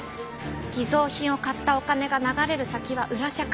偽造品を買ったお金が流れる先は裏社会。